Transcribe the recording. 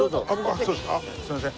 すいません。